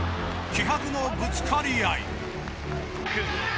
気迫のぶつかり合い。